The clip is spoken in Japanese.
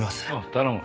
頼む。